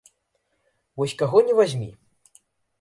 Вось каго ні вазьмі!